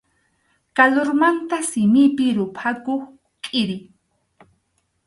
Kalurmanta simipi ruphakuq kʼiri.